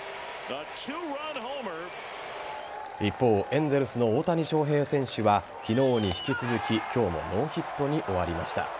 一方エンゼルスの大谷翔平選手は昨日に引き続き今日もノーヒットに終わりました。